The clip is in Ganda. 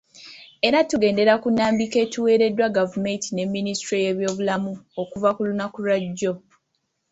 Era tugendera ku nnambika etuweereddwa gavumenti ne minisitule ey'ebyobulamu okuva ku lunaku lwa jjo.